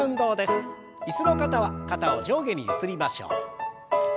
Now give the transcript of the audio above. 椅子の方は肩を上下にゆすりましょう。